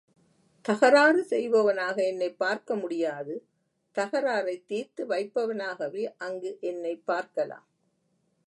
தகராறு செய்பவனாக என்னைப் பார்க்க முடியாது தகராறைத் தீர்த்து வைப்பவனாகவே அங்கு என்னைப் பார்க்கலாம்.